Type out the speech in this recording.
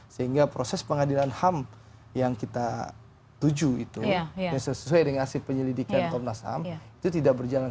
sehingga proses pengadilan ham yang kita tuju itu yang sesuai dengan hasil penyelidikan komnas ham itu tidak berjalan